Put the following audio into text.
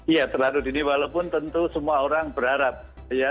ya terlalu dini walaupun tentu semua orang berharap ya